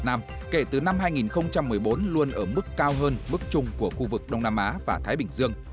năm hai nghìn một mươi bốn luôn ở mức cao hơn mức chung của khu vực đông nam á và thái bình dương